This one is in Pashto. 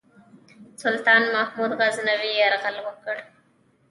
سلطان محمود غزنوي یرغل وکړ.